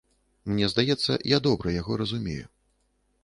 Мне здаецца, я добра яго разумею.